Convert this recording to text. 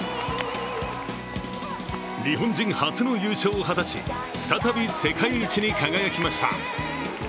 日本人初の優勝を果たし、再び世界一に輝きました。